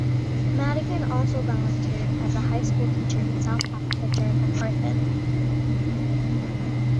Madigan also volunteered as a high school teacher in South Africa during apartheid.